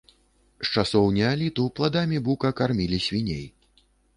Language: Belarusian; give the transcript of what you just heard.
З часоў неаліту пладамі бука кармілі свіней.